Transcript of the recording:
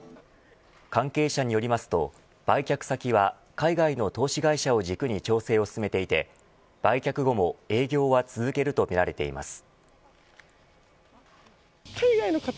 関係者によりますと、売却先は海外の投資会社を軸に調整を進めていて売却後も営業は続けるとみられています。